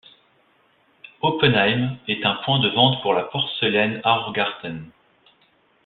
Oppenheim, et un point de vente pour la Porcelaine Aurgarten.